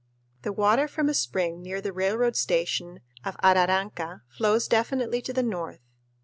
The water from a spring near the railroad station of Araranca flows definitely to the north.